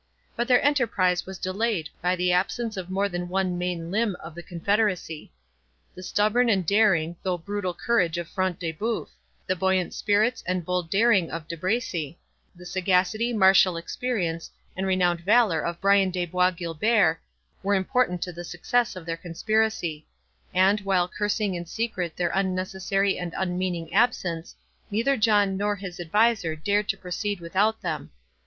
But their enterprise was delayed by the absence of more than one main limb of the confederacy. The stubborn and daring, though brutal courage of Front de Bœuf; the buoyant spirits and bold bearing of De Bracy; the sagacity, martial experience, and renowned valour of Brian de Bois Guilbert, were important to the success of their conspiracy; and, while cursing in secret their unnecessary and unmeaning absence, neither John nor his adviser dared to proceed without them.